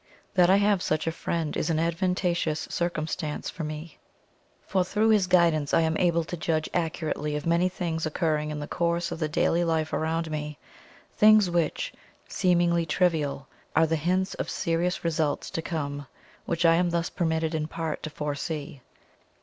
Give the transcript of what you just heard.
That I have such a friend is an advantageous circumstance for me, for through his guidance I am able to judge accurately of many things occurring in the course of the daily life around me things which, seemingly trivial, are the hints of serious results to come, which, I am thus permitted in part to foresee.